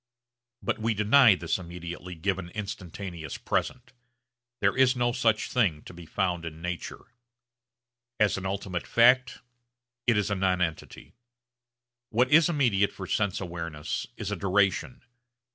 But we deny this immediately given instantaneous present. There is no such thing to be found in nature. As an ultimate fact it is a nonentity. What is immediate for sense awareness is a duration.